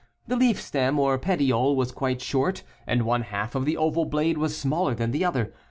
The leaf stem, Qx petiole, was quite short, and one half of the oval blade was smaller than the other.